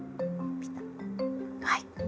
はい。